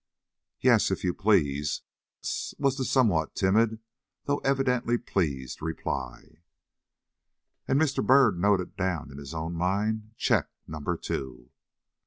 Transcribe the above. "Yes, if you please," was the somewhat timid, though evidently pleased, reply. And Mr. Byrd noted down in his own mind check number two.